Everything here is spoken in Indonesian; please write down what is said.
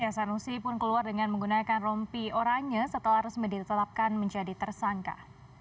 sanusi pun keluar dengan menggunakan rompi oranye setelah resmi ditetapkan menjadi tersangka